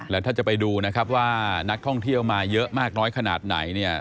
แล้วถ้าจะไปดูนะครับว่านักท่องเที่ยวมาเยอะมากน้อยขนาดไหนเนี่ย